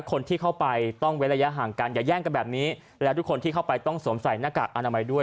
คนที่เข้าไปต้องเว้นระยะห่างกันอย่าแย่งกันแบบนี้และทุกคนที่เข้าไปต้องสวมใส่หน้ากากอนามัยด้วย